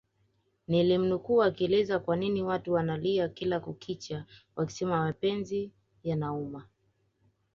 nilimnukuu akielezea kwanini watu wanalia kila kukicha wakisema mapenzi yanauma